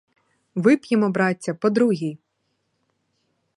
Вип'ємо, браття, по другій!